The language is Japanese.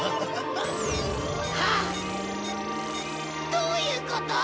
どういうこと！？